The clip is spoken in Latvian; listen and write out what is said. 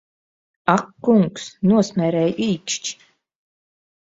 Ak kungs, nosmērēju īkšķi!